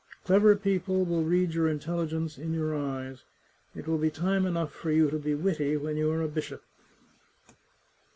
Clever people will read your intelligence in your eyes. It will be time enough for you to be witty when you are a bishop."